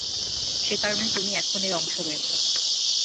সেকারণেই তুমি এখনো এর অংশ রয়েছো।